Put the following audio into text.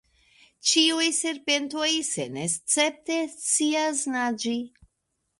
Ĉiuj serpentoj senescepte scias naĝi.